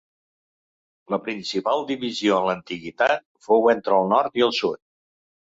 La principal divisió en l'antiguitat fou entre el nord i el sud.